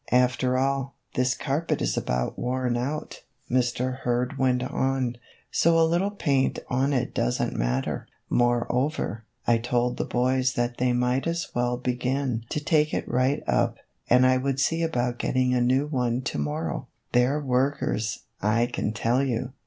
" After all, this carpet is about worn out," Mr. Hurd went on, " so a little paint on it does n't mat ter; moreover, I told the boys that they might as well begin to take it right up, and I would see about getting a new one to morrow. They 're workers, I can tell you